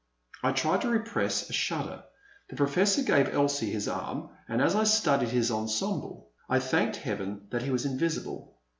I tried to repress a shudder. The Professor gave Elsie his arm and, as I studied his ensemble, I thanked Heaven that he was invisible.